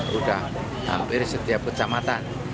dan ini sudah hampir setiap kecamatan